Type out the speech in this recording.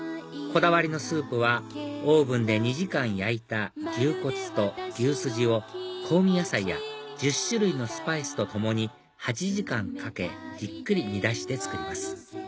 こだわりのスープはオーブンで２時間焼いた牛骨と牛スジを香味野菜や１０種類のスパイスとともに８時間かけじっくり煮出して作ります